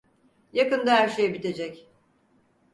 Yakında her şey bitecek.